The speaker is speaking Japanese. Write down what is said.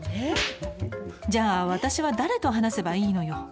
じゃあ私は誰と話せばいいのよ。